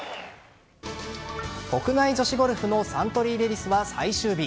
国内女子ゴルフのサントリーレディスは最終日。